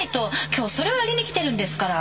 今日それをやりに来てるんですから。